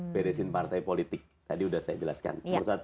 beresin partai politik tadi sudah saya jelaskan